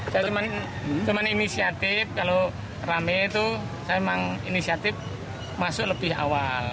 saya cuma inisiatif kalau rame itu saya memang inisiatif masuk lebih awal